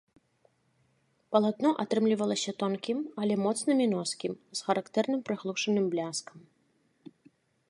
Палатно атрымлівалася тонкім, але моцным і носкім, з характэрным прыглушаным бляскам.